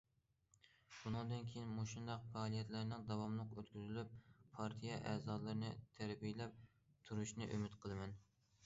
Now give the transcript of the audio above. بۇنىڭدىن كېيىن مۇشۇنداق پائالىيەتلەرنىڭ داۋاملىق ئۆتكۈزۈلۈپ، پارتىيە ئەزالىرىنى تەربىيەلەپ تۇرۇشىنى ئۈمىد قىلىمەن.